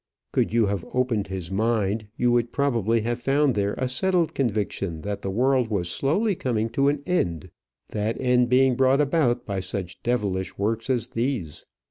Could you have opened his mind, you would probably have found there a settled conviction that the world was slowly coming to an end, that end being brought about by such devilish works as these.